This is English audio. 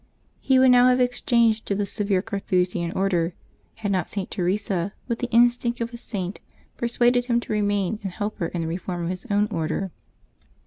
He would now have exchanged to the severe Carthusian Order, had not St. Teresa, with the instinct of a Saint, persuaded him to remain and help her in the reform of his own Order.